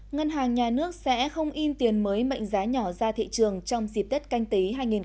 ngân hàng nhà nước sẽ không in tiền mới mệnh giá nhỏ ra thị trường trong dịp tết canh tí hai nghìn hai mươi